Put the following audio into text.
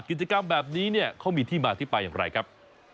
กิจกรรมแบบนี้เนี่ยเขามีที่มาที่ไปอย่างไรครับ